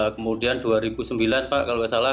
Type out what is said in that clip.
kemudian dua ribu sembilan pak kalau tidak salah